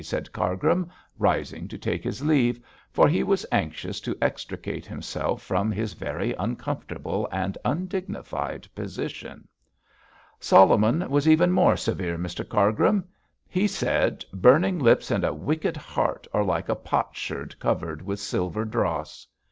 said Cargrim, rising to take his leave, for he was anxious to extricate himself from his very uncomfortable and undignified position. 'Solomon was even more severe, Mr Cargrim. He said, "Burning lips and a wicked heart are like a potsherd covered with silver dross."